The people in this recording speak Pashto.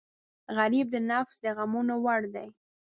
غریب د نفس د غمونو وړ دی